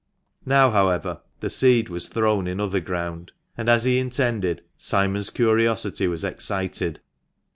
Now, however, the seed was thrown in other ground ; and, as he intended, Simon's curiosity was excited.